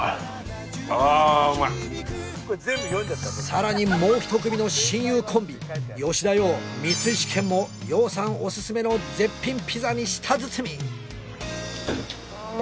さらにもう一組の親友コンビ吉田羊光石研も羊さんオススメの絶品ピザに舌鼓！